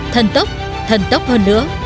thần tốc thần tốc hơn nữa